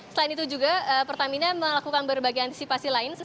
selain itu juga pertamina melakukan berbagai antisipasi lain